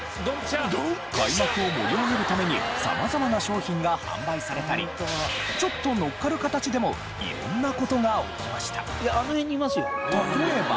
開幕を盛り上げるために様々な商品が販売されたりちょっと乗っかる形でも色んな事が起きました。